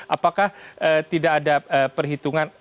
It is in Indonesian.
apakah tidak ada perhitungan